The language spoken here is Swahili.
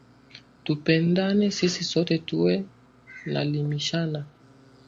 Tupendane sisi sote tuwe na limishana